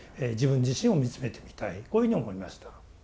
こういうふうに思いました。